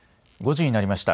５時になりました。